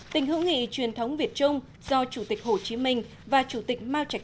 tình hữu nghị truyền thống việt trung do chủ tịch hồ chí minh và chủ tịch mao trạch